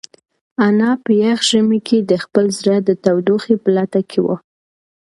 انا په یخ ژمي کې د خپل زړه د تودوخې په لټه کې وه.